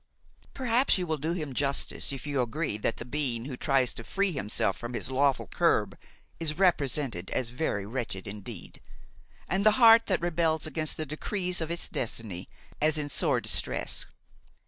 Perhaps you will do him justice if you agree that the being who tries to free himself from his lawful curb is represented as very wretched indeed, and the heart that rebels against the decrees of its destiny as in sore distress.